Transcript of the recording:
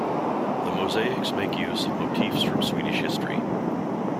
The mosaics make use of motifs from Swedish history.